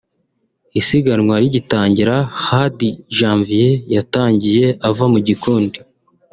isiganwa rigitangira Hadi Janvier yatangiye ava mu gikundi